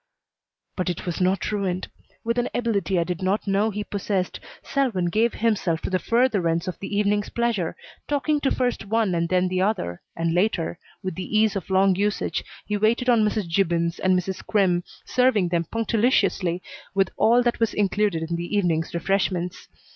But it was not ruined. With an ability I did not know he possessed Selwyn gave himself to the furtherance of the evening's pleasure, talking to first one and then the other, and later, with the ease of long usage, he waited on Mrs. Gibbons and Mrs. Crimm, serving them punctiliously with all that was included in the evening's refreshments.